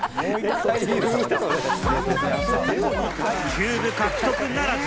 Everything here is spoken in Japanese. キューブ獲得ならず。